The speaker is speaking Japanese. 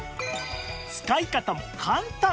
使い方も簡単